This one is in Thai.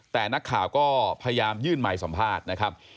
แต่นักข่าวก็พยายามยื่นไมค์สัมภาษณ์นะครับ